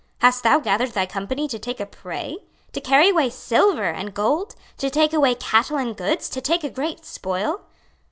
hast thou gathered thy company to take a prey? to carry away silver and gold, to take away cattle and goods, to take a great spoil?